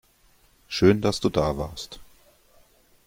Schön, dass du da warst.